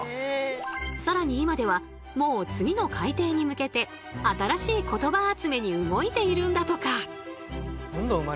更に今ではもう次の改訂に向けて新しい言葉集めに動いているんだとか。